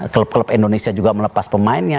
klub klub indonesia juga melepas pemainnya